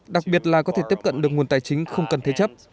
đặc biệt là có thể tiếp cận được nguồn tài chính không cần thế chấp